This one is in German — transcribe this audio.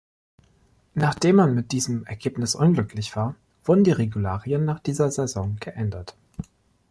Nachdem man mit diesem Ergebnis unglücklich war, wurden die Regularien nach dieser Saison geändert.